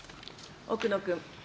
奥野君。